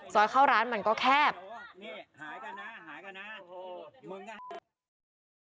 เข้าร้านมันก็แคบนี่หายกันนะหายกันนะโอ้มึงอ่ะ